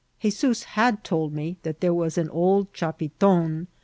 *Hezoos had told me that there was an old chapiton, i.